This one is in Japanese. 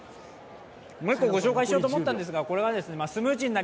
もう一個ご紹介しようと思ったんですがスムージー、